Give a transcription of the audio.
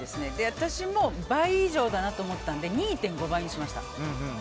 私も倍以上だなと思ったので２．５倍にしました。